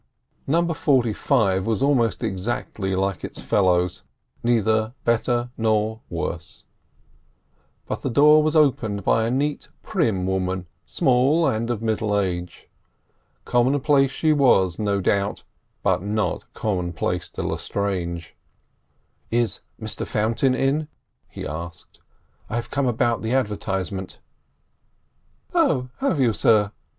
No. 45 was almost exactly like its fellows, neither better nor worse; and the door was opened by a neat, prim woman, small, and of middle age. Commonplace she was, no doubt, but not commonplace to Lestrange. "Is Mr Fountain in?" he asked. "I have come about the advertisement." "Oh, have you, sir?"